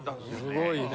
すごいね。